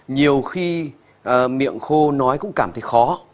nhiều khi miệng khô nói cũng cảm thấy khó